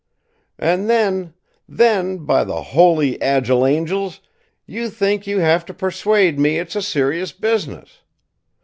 "And, then, then, by the holy, agile angels! you think you have to persuade me it's a serious business!